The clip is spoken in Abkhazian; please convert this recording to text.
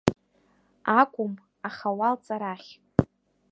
Акәым, аха уалҵ арахь.